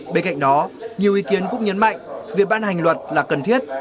bên cạnh đó nhiều ý kiến cũng nhấn mạnh việc ban hành luật là cần thiết